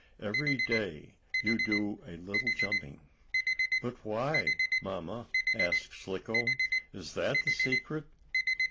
Every day you do a little jumping." "But why, Mamma?" asked Slicko. "Is that the secret?"